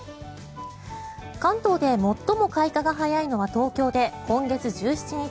関東で最も開花が早いのは東京で今月１７日。